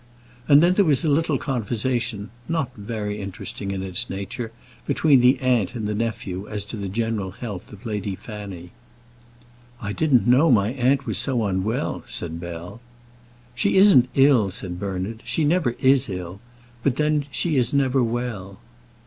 And then there was a little conversation, not very interesting in its nature, between the aunt and the nephew as to the general health of Lady Fanny. "I didn't know my aunt was so unwell," said Bell. "She isn't ill," said Bernard. "She never is ill; but then she is never well."